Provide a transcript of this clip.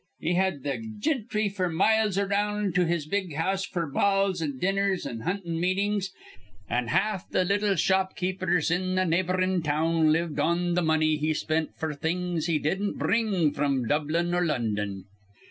He had th' gintry f'r miles around to his big house f'r balls an' dinners an' huntin' meetin's, an' half th' little shopkeepers in th' neighborin' town lived on th' money he spent f'r th' things he didn't bring fr'm Dublin or London.